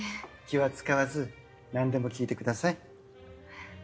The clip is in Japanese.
気は使わず何でも聞いてください。